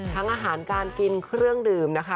อาหารการกินเครื่องดื่มนะคะ